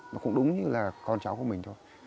nó cũng đúng như là con cháu của mình thôi